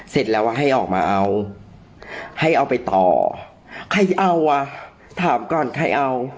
เสร็จแล้วอ่ะให้ออกมาเอาให้เอาไปต่อใครเอาอ่ะถามก่อนใครเอา